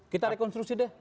kita rekonstruksi deh